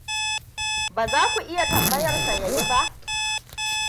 Ba za ku iya tambayar sa ya yi ba.